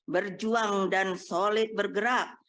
berjuang dan solid bergerak